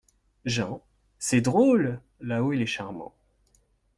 Jean. — C’est drôle ! là-haut il est charmant.